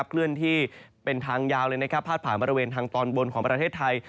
เคลื่อนที่เป็นทางยาวเลยพาดผ่านบริเวณทางตอนบนของประเทศไทย